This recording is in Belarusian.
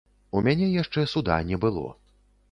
У мяне яшчэ суда не было.